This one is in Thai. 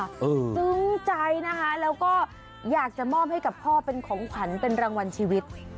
ซึ้งใจนะคะแล้วก็อยากจะมอบให้กับพ่อเป็นของขวัญเป็นรางวัลชีวิต